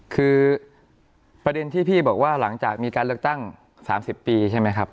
คือประเด็นที่พี่บอกว่าหลังจากมีการเลือกตั้ง๓๐ปีใช่ไหมครับ